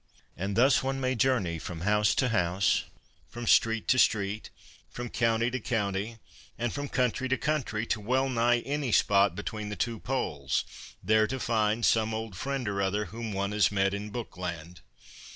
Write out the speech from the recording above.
And thus one may journey from house to house, from street to street, from county to county, and from country to country, to wellnigh any spot between the two Poles, there to find some old friend or other whom one has met in Bookland.